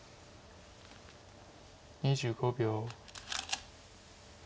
２５秒。